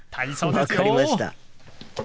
分かりました。